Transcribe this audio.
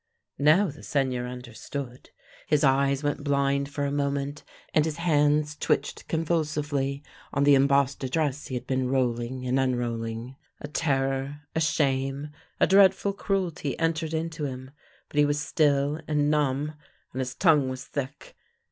" Now the Seigneur understood. His eyes went blind for a moment, and his hands twitched convulsively on the embossed address he had been rolling and unroll ing. A terror, a shame, a dreadful cruelty entered into him, but he was still and numb, and his tongue was thick.